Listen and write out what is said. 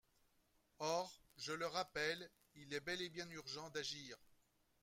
Or, je le rappelle, il est bel et bien urgent d’agir.